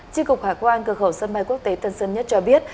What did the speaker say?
trên cục hải quan cơ khẩu sân bay quốc tế tân sơn nhất cho biết